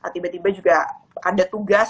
tiba tiba juga ada tugas